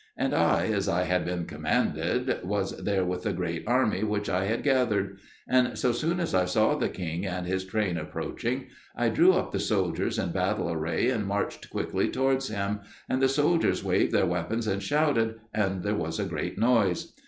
And I, as I had been commanded, was there with the great army which I had gathered; and so soon as I saw the king and his train approaching, I drew up the soldiers in battle array and marched quickly towards him, and the soldiers waved their weapons and shouted, and there was a great noise.